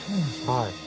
はい。